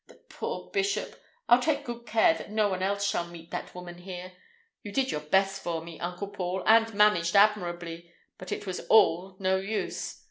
The poor bishop! I'll take good care that no one else shall meet that woman here. You did your best for me, Uncle Paul, and managed admirably, but it was all no use.